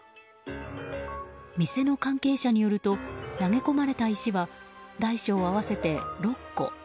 店の関係者によると投げ込まれた石は大小合わせて６個。